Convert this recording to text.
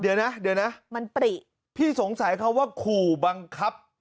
เดี๋ยวนะพี่สงสัยเขาว่าขู่บังคับ